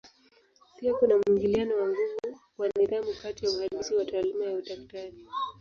Pia kuna mwingiliano wa nguvu wa nidhamu kati ya uhandisi na taaluma ya udaktari.